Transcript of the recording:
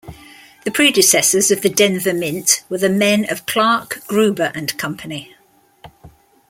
The predecessors of the Denver Mint were the men of Clark, Gruber and Company.